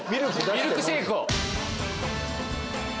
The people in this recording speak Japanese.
ミルクシェイクを？